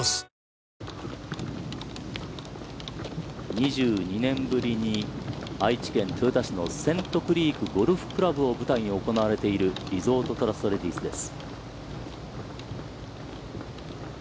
２２年ぶりに愛知県豊田市のセントクリークゴルフクラブを舞台に行われているリゾートトラストレディスです。